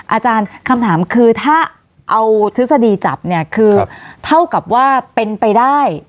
อาจารย์คำถามคือถ้าเอาทฤษฎีจับเนี่ยคือเท่ากับว่าเป็นไปได้